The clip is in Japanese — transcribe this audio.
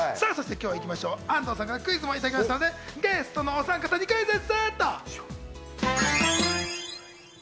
そして今日は安藤さんからクイズもいただきましたのでゲストのおさん方にクイズッス！